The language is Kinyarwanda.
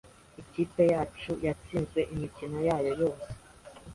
Ikipe yacu yatsinzwe imikino yayo yose.